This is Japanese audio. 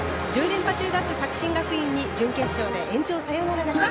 １０連覇中だった作新学院に準決勝で延長サヨナラ勝ち。